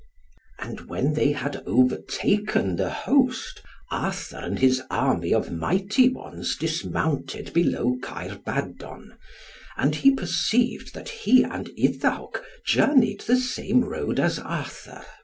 And when they had overtaken the host, Arthur and his army of mighty ones dismounted below Caer Badon, and he perceived that he and Iddawc journeyed the same road as Arthur.